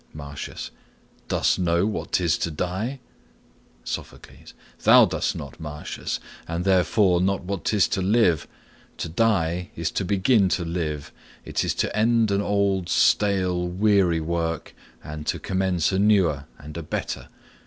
Martius. Dost know what 't is to die? Sophocles. Thou dost not, Martius, And, therefore, not what 'tis to live; to die Is to begin to live. It is to end An old, stale, weary work, and to commence A newer and a better.